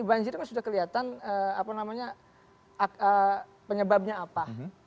banjir kan sudah kelihatan apa namanya penyebabnya apa